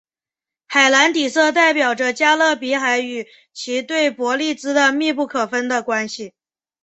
海蓝底色代表着加勒比海与其对伯利兹的密不可分的关系。